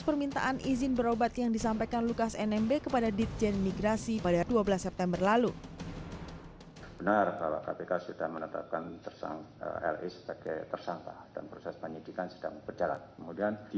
permintaan izin berobat yang disampaikan lukas nmb kepada ditjen imigrasi pada dua belas september lalu